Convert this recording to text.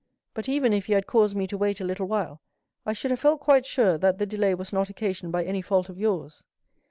But even if you had caused me to wait a little while, I should have felt quite sure that the delay was not occasioned by any fault of yours."